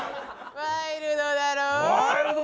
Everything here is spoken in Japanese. ワイルドだろぉ。